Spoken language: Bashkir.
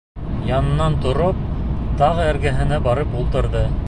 Яңынан тороп тағы эргәһенә барып ултырҙы.